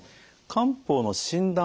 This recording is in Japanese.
漢方の診断